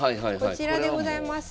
こちらでございます。